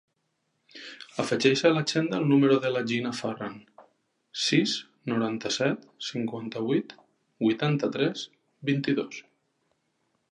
Afegeix a l'agenda el número de la Gina Farran: sis, noranta-set, cinquanta-vuit, vuitanta-tres, vint-i-dos.